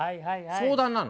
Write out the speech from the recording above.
相談なの。